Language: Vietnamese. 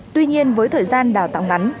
tuy nhiên với thời gian đào tạo ngắn